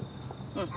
うん。